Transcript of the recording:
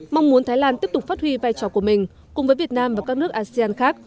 mong muốn thái lan tiếp tục phát huy vai trò của mình cùng với việt nam và các nước asean khác